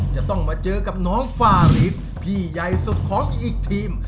จะต้องมาเจอกับน้องฟาลิสพี่ใหญ่สุดของอีกทีม